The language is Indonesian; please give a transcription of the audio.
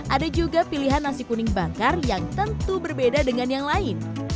ada juga pilihan nasi kuning bakar yang tentu berbeda dengan yang lain